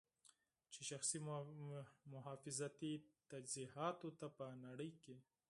چې شخصي محافظتي تجهیزاتو ته په نړۍ کې